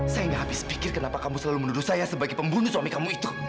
saya gak habis pikir kenapa kamu selalu menuduh saya sebagai pembunuh suami kamu itu